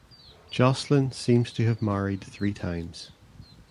Josselyn seems to have married three times.